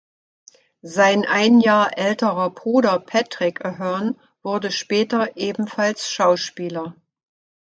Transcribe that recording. Sein ein Jahr älterer Bruder Patrick Aherne wurde später ebenfalls Schauspieler.